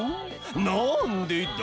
なんでだ？